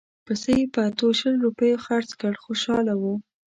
پسه یې په اتو شل روپیو خرڅ کړ خوشاله وو.